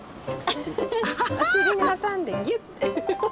お尻に挟んでぎゅって。